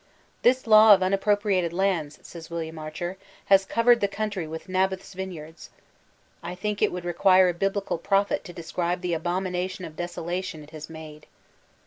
''This law of unappropriated lands,'' says Williain Archer, "has covered the country with Naboth's Vine* yards.'* I think it would require a Biblical prophet to describe the "abomination of desolation" it has made.